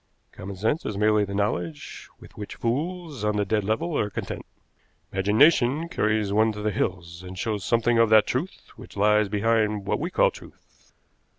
Common sense is merely the knowledge with which fools on the dead level are content. Imagination carries one to the hills, and shows something of that truth which lies behind what we call truth."